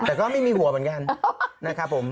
แต่ก็ไม่มีหัวเหมือนกันนะครับผม